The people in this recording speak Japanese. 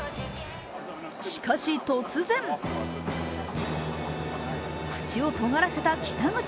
しかし突然、口をとがらせた北口。